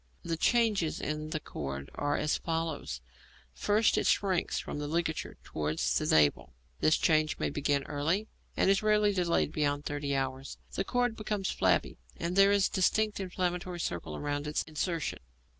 The changes in the cord are as follows: First it shrinks from the ligature towards the navel; this change may begin early, and is rarely delayed beyond thirty hours; the cord becomes flabby, and there is a distinct inflammatory circle round its insertion.